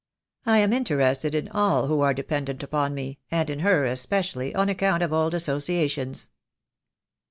"I am interested in all who are dependent upon me, and in her especially, on account of old associations."